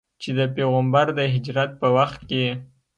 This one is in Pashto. چې د پیغمبر د هجرت په وخت کې.